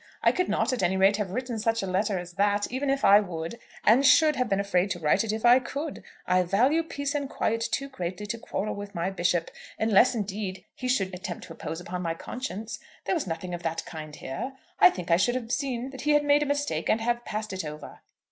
I could not, at any rate, have written such a letter as that, even if I would; and should have been afraid to write it if I could. I value peace and quiet too greatly to quarrel with my bishop, unless, indeed, he should attempt to impose upon my conscience. There was nothing of that kind here. I think I should have seen that he had made a mistake, and have passed it over."